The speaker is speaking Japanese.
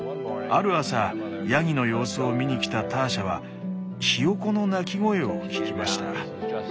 ある朝ヤギの様子を見にきたターシャはヒヨコの鳴き声を聞きました。